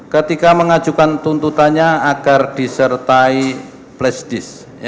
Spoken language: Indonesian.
ketika mengajukan tuntutannya agar disertai flash disk